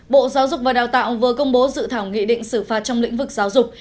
bộ giáo dục và đào tạo vừa công bố dự thảo nghị định xử phạt trong lĩnh vực giáo dục